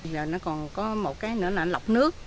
giờ nó còn có một cái nữa là lọc nước